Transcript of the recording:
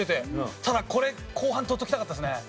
ただこれ後半取っておきたかったですね。